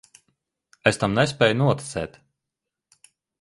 Es tam nespēju noticēt.